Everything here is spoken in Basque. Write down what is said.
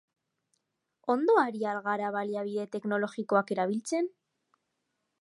Ondo ari al gara baliabide teknologikoak erabiltzen?